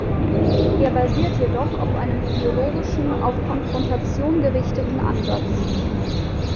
Er basiert jedoch auf einem ideologischen, auf Konfrontation gerichteten Ansatz.